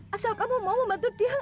asal kamu mau membantu dia